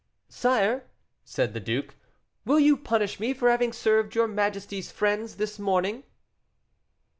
"Sire," said the duke, "will you punish me for having served your majesty's friends this morning?"